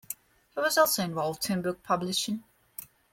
He was also involved in book publishing.